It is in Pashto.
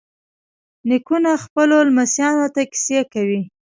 نیکونه خپلو لمسیانو ته کیسې کوي.